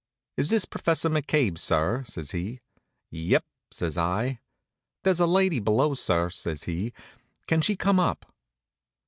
"Is this Professor McCabe, sir?" says he. "Yep," says I. "There's a lady below, sir," says he. "Can she come up?"